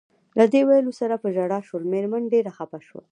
له دې ویلو سره په ژړا شول، مېرمن ډېره خپه شوه.